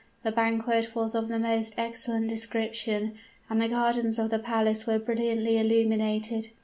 The banquet was of the most excellent description; and the gardens of the palace were brilliantly illuminated.